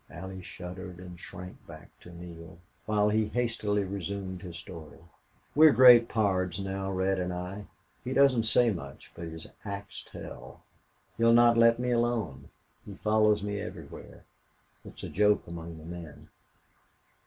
Allie shuddered and shrank back to Neale, while he hastily resumed his story. "We're great pards now, Red and I. He doesn't say much, but his acts tell. He will not let me alone. He follows me everywhere. It's a joke among the men....